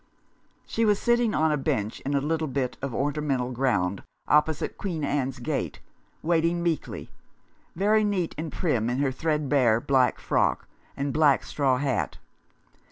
She was sitting on a bench in a little bit of ornamental ground opposite Queen Anne's Gate, waiting meekly, very neat and prim in her thread bare black frock, and black straw hat.